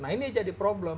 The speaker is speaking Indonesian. nah ini yang jadi problem